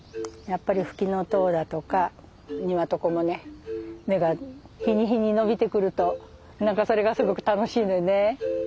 やっぱりフキノトウだとかニワトコもね芽が日に日に伸びてくると何かそれがすごく楽しいのよね。